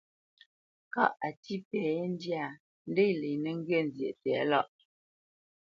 Kâʼ a tí pɛ yé ndyâ, ndě lenə́ ŋgyə̌ nzyéʼ tɛ̌lâʼ.